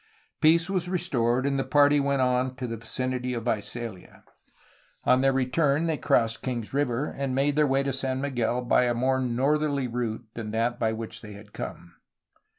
Peace was restored, and the party went on to the vicinity of Visalia. On their return they crossed Kings River, and made their way to San Miguel by a more northerly route than that by which they had come.